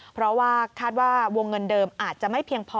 เพราะว่าคาดว่าวงเงินเดิมอาจจะไม่เพียงพอ